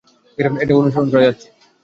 এটা অনুসরণ করে যাচ্ছি।